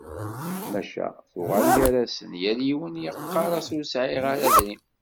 Maca, tuɣal gar-asen, yal yiwen yeqqar-as ur sεiɣ ara adrim.